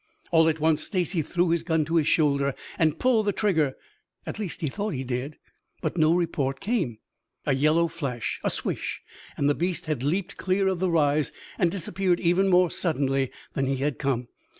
All at once Stacy threw his gun to his shoulder and pulled the trigger. At least he thought he did. But no report came. A yellow flash, a swish and the beast had leaped clear of the rise and disappeared even more suddenly than he had come.